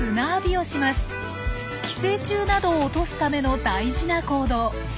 寄生虫などを落とすための大事な行動。